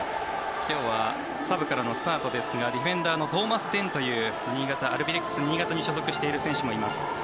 今日はサブからのスタートですがディフェンダーのトーマス・デンというアルビレックス新潟に所属している選手もいます。